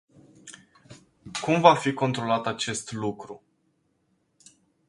Cum va fi controlat acest lucru?